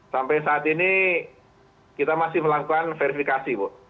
sampai saat ini kita masih melakukan verifikasi bu